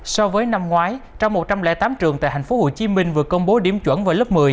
so với năm ngoái trong một trăm linh tám trường tại tp hcm vừa công bố điểm chuẩn vào lớp một mươi